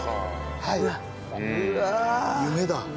夢だ。